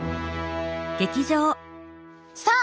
さあ！